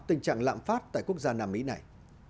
tình trạng lạm phát tại quốc gia nam mỹ này